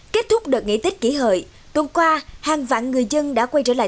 kết thúc đợt nghỉ tích kỷ hợi tuần qua hàng vạn người dân đã quay trở lại